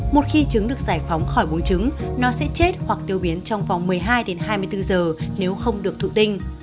một khi trứng được giải phóng khỏi bún trứng nó sẽ chết hoặc tiêu biến trong vòng một mươi hai đến hai mươi bốn giờ nếu không được thụ tinh